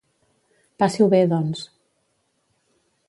Passi-ho bé, doncs.